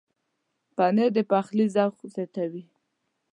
پنېر د پخلي ذوق زیاتوي.